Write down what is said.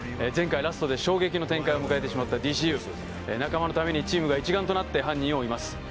前回ラストで衝撃の展開を迎えてしまったＤＣＵ仲間のためにチームが一丸となって犯人を追います